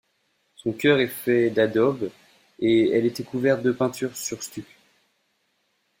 Son cœur est fait d'adobe et elle était couverte de peintures sur stuc.